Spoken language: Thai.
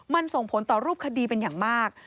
มันส่งผลต่อรูปคดีเป็นอย่างมาก